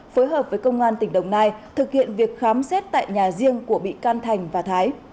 phối hợp với công an tỉnh đồng nai thực hiện việc khám xét tại nhà riêng của bị can thành và thái